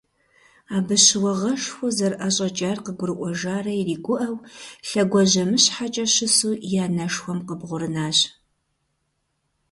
Абы щыуагъэшхуэ зэрыӀэщӀэкӀар къыгурыӀуэжарэ иригуӀэу, лъэгуажьэмыщхьэкӀэ щысу и анэшхуэм къыбгъурынащ.